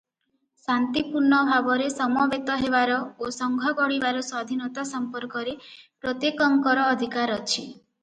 ଶାନ୍ତିପୂର୍ଣ୍ଣ ଭାବରେ ସମବେତ ହେବାର ଓ ସଂଘ ଗଢ଼ିବାର ସ୍ୱାଧୀନତା ସମ୍ପର୍କରେ ପ୍ରତ୍ୟେକଙ୍କର ଅଧିକାର ଅଛି ।